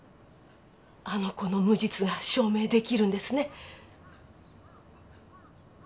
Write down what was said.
あの子の無実が証明できるんですね？